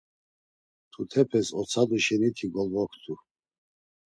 Mtutepes otsadu şeni ti golvoktu.